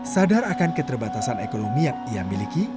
sadar akan keterbatasan ekonomi yang ia miliki